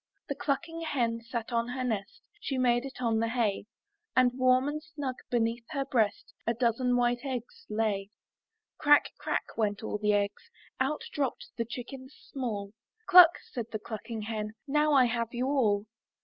'* The clucking hen sat on her nest. She made it on the hay; And warm and snug beneath her breast, A dozen white eggs lay. Crack, crack, went all the eggs, Out dropped the chickens small; "Cluck, said the clucking hen, "Now I have you all.